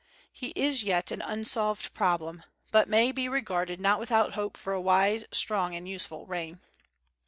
He is yet an unsolved problem, but may be regarded not without hope for a wise, strong, and useful reign.